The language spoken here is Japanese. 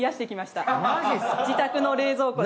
自宅の冷蔵庫で。